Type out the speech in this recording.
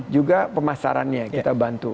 juga pemasarannya kita bantu